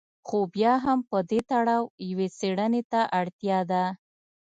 خو بیا هم په دې تړاو یوې څېړنې ته اړتیا ده.